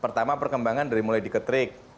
pertama perkembangan dari mulai di ketrik